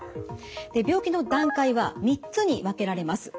で病気の段階は３つに分けられます。